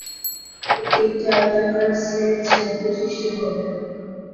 এটি একটি আয়তাকার, স্লেট ছাদ বিশিষ্ট ভবন।